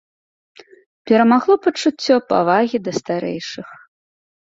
Перамагло пачуццё павагі да старэйшых.